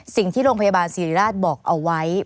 สิ่งที่โรงพยาบาลศิริราชบอกเอาไว้